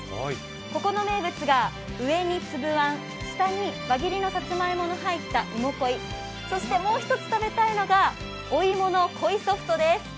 ここの名物が、上に粒あん、下に輪切りのさつまいもの入った、いも恋そしてもう一つ食べたいのが、お芋の恋ソフトです。